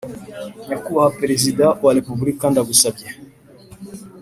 nyakubaha perezida wa repuburika ndagusabye